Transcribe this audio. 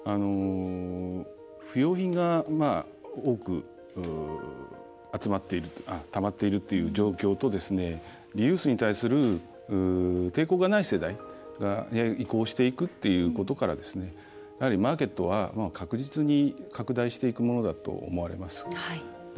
不用品が多くたまっているという状況とリユースに対する抵抗がない世代が移行していくっていうことからやはりマーケットは確実に拡大していくものだと思われます。